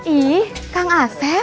ih kang asep